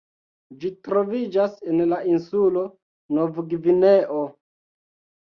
Ĝi troviĝas en la insulo Novgvineo.